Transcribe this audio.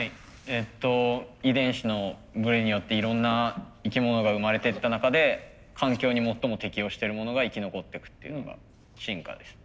えっと遺伝子のブレによっていろんな生き物が生まれてった中で環境に最も適応してるものが生き残ってくっていうのが進化です。